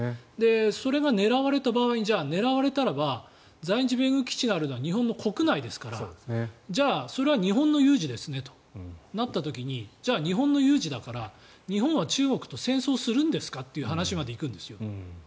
それが狙われた場合には在日米軍基地があるのは日本の国内ですからじゃあ、それは日本の有事ですねとなった時にじゃあ、日本の有事だから日本は中国と戦争をするんですかという話まで行くんですよ。